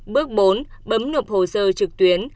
bước bốn bấm nộp hồ sơ trực tuyến